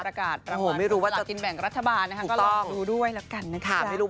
หลักพลักษณ์กิจแบ่งกับรัฐบาลลองดูด้วยแล้วกัน